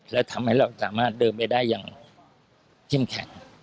และทำให้เราสามารถเดินไปได้อย่างเข้มแข็ง